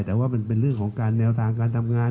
แต่ว่ามันเป็นเรื่องของการแนวทางการทำงาน